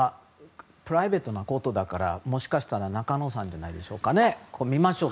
プライベートなことだからもしかしたら中野さんじゃないですかね。